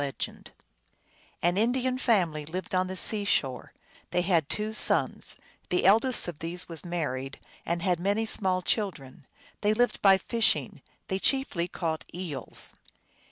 (Micmac.) An Indian family lived on the sea shore. They had two sons; the eldest of these was married, and had many small children. They lived by fishing; they chiefly caught eels.